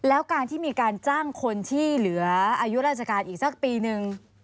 แล้วการที่มีการจ้างคนที่เหลืออายุราชการอีกสักปีนึง